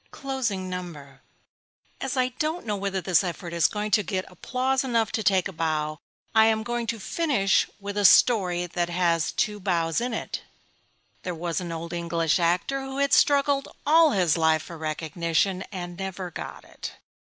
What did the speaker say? CLOSING NUMBER As I don't know whether this effort is going to get applause enough to take a bow, I am going to finish with a story that has got two bows in it. There was an old English actor who had struggled all his life for recognition; and never got it.